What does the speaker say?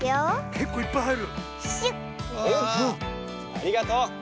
ありがとう！